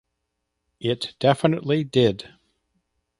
It definitely did.